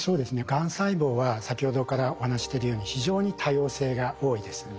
がん細胞は先ほどからお話ししてるように非常に多様性が多いです。